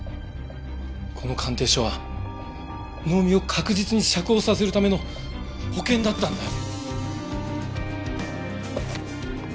この鑑定書は能見を確実に釈放させるための保険だったんだよ。